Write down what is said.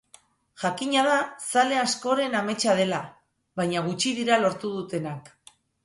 Jakina da zale askoren ametsa dela, baina gutxi dira lortu dutenak.